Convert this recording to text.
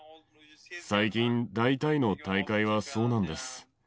最近、大体の大会はそうなんです。